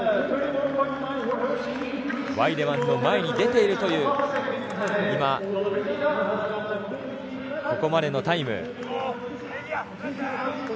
ワイデマンの前に出ているという今、ここまでのタイム。